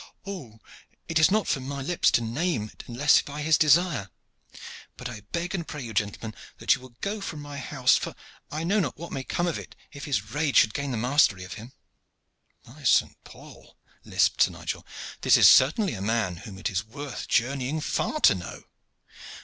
"It is not for my lips to name it unless by his desire. But I beg and pray you, gentlemen, that you will go from my house, for I know not what may come of it if his rage should gain the mastery of him." "By Saint Paul!" lisped Sir Nigel, "this is certainly a man whom it is worth journeying far to know.